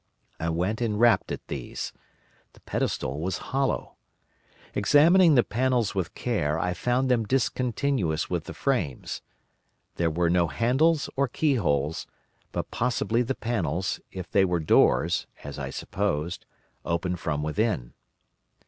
I went and rapped at these. The pedestal was hollow. Examining the panels with care I found them discontinuous with the frames. There were no handles or keyholes, but possibly the panels, if they were doors, as I supposed, opened from within.